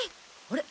あれ？